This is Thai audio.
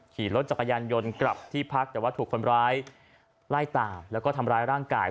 ขี่รถจักรยานยนต์กลับที่พักแต่ว่าถูกคนร้ายไล่ตามแล้วก็ทำร้ายร่างกาย